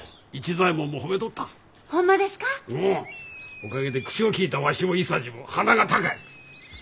おかげで口を利いたわしも伊三治も鼻が高い。